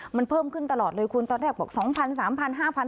มันเพิ่มขึ้นตลอดเลยคุณตอนแรกบอกสองพันสามพันห้าพัน